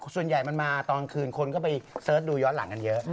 ส่วนใหญ่มันมาตอนคืนคนก็ไปเสิร์ชดูย้อนหลังกันเยอะ